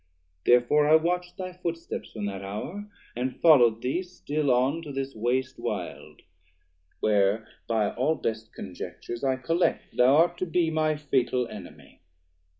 Therefore I watch'd thy footsteps from that hour, And follow'd thee still on to this wast wild; Where by all best conjectures I collect Thou art to be my fatal enemy.